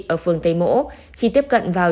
ở phường tây mỗ khi tiếp cận vào